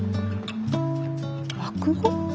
落語？